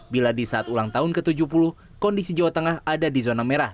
bila di saat ulang tahun ke tujuh puluh kondisi jawa tengah ada di zona merah